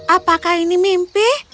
apakah ini mimpi